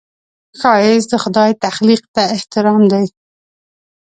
ښایست د خدای تخلیق ته احترام دی